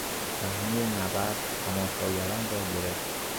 صحنهی نبرد تماشاگران را گرفت.